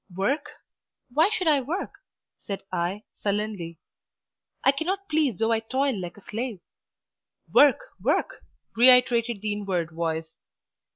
"Work? why should I work?" said I sullenly: "I cannot please though I toil like a slave." "Work, work!" reiterated the inward voice.